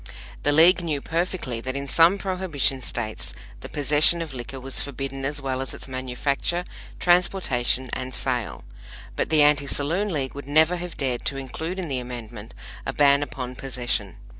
The League knew perfectly that in some Prohibition States the possession of liquor was forbidden as well as its manufacture, transportation and sale; but the AntiSaloon League would never have dared to include in the Amendment a ban upon possession.